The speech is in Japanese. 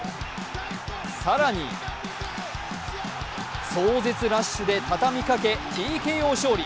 更に、壮絶ラッシュで畳みかけＴＫＯ勝利。